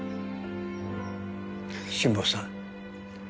新保さん。